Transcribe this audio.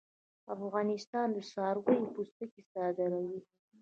افغانستان د څارویو پوستکي صادروي